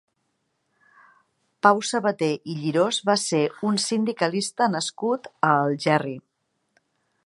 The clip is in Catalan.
Pau Sabater i Llirós va ser un sindicalista nascut a Algerri.